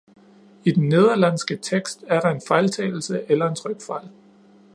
I den nederlandske tekst er der en fejltagelse eller en trykfejl.